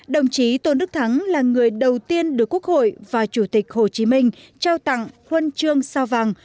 đồng chí tôn đức thắng là người đầu tiên được quốc hội và chủ tịch hồ chí minh trao tặng huân chương sao vàng